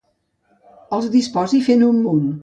Els disposi fent un munt.